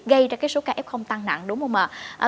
gây ra cái số ca ép không tăng nặng đúng không ạ